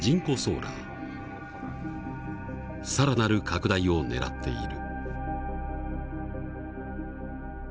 更なる拡大を狙っている。